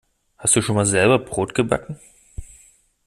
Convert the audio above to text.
Hast du schon mal selber Brot gebacken?